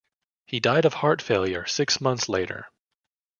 He died of heart failure six months later.